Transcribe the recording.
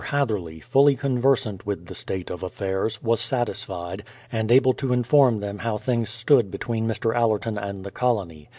Hatherley, fully conversant with the state of affairs, was satisfied, and able to inform them how things stood between Mr. Allerton and the colony.